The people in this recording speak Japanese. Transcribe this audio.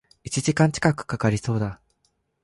一時間近く掛かりそうだ